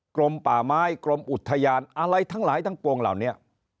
กรมป่าไม้กรมอุทยานอะไรทั้งหลายทั้งปวงเหล่านี้